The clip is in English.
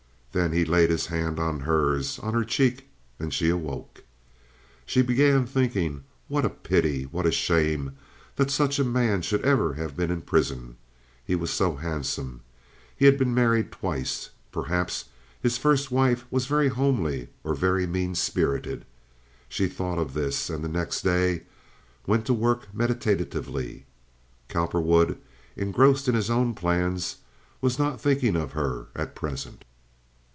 Then he laid his hand on hers, on her cheek, and she awoke. She began thinking, what a pity, what a shame that such a man should ever have been in prison. He was so handsome. He had been married twice. Perhaps his first wife was very homely or very mean spirited. She thought of this, and the next day went to work meditatively. Cowperwood, engrossed in his own plans, was not thinking of her at present.